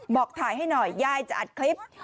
บอกถ่ายให้หน่อยยายจะอัดคลิป